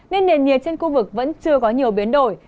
nên nền nhiệt trên khu vực vẫn chưa có nhiều biến đổi